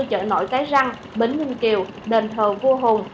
chợ nội cái răng bến nguyên kiều đền thờ vua hùng